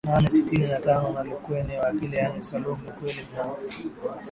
nane sitini na tano na Lukwele wa Pili yaani Salum Lukwele Mdimangombe Mwanamsumi mwaka